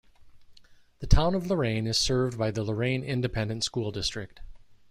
The Town of Loraine is served by the Loraine Independent School District.